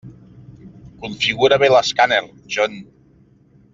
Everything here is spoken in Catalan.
Configura bé l'escàner, John.